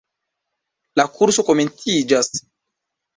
La kurso komenciĝas.